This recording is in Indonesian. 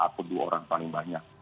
atau dua orang paling banyak